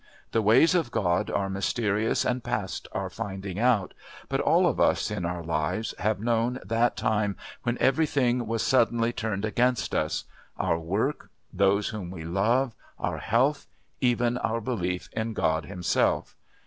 The ways of God are mysterious and past our finding out; but all of us, in our lives, have known that time when everything was suddenly turned against us our work, those whom we love, our health, even our belief in God Himself.